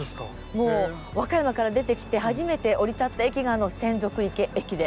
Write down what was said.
もう和歌山から出てきて初めて降り立った駅があの洗足池駅で。